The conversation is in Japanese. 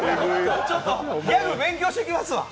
ちょっと、ギャグ勉強してきますわ。